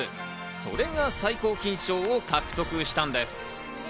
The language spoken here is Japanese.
それが最高金賞を獲得したんです。